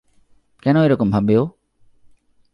কেন এরকম ভাববে ও?